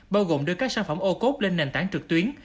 bao gồm đưa các sản phẩm ô cốt lên nền tảng trực tuyến